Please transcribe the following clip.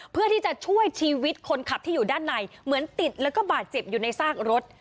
เพื่อที่จะช่วยชีวิตคนขับที่อยู่ด้านในเหมือนติดแล้วก็บาดเจ็บอยู่ในซากรถ